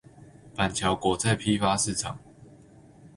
板橋果菜批發市場